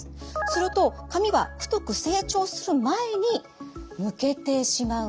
すると髪は太く成長する前に抜けてしまうんです。